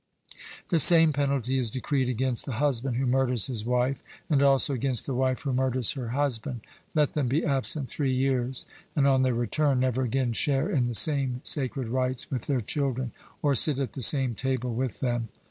The same penalty is decreed against the husband who murders his wife, and also against the wife who murders her husband. Let them be absent three years, and on their return never again share in the same sacred rites with their children, or sit at the same table with them.